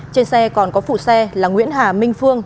trên xe còn có phụ xe là nguyễn hà minh phương